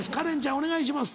お願いします。